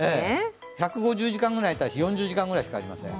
１５０時間ぐらいに対して、４０時間ぐらいしかありません。